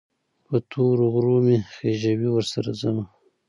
په تورو غرو مې خېژوي، ورسره ځمه